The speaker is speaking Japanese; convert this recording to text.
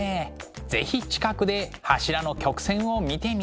是非近くで柱の曲線を見てみたい！